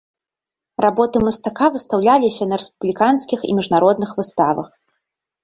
Работы мастака выстаўляліся на рэспубліканскіх і міжнародных выставах.